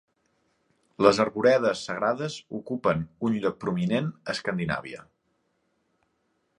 Les arboredes sagrades ocupen un lloc prominent a Escandinàvia.